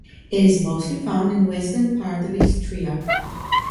It is mostly found in western part of Istria.